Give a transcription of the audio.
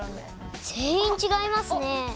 全員違いますね。